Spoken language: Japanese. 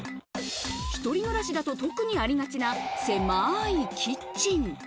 一人暮らしだと特にありがちな狭いキッチン。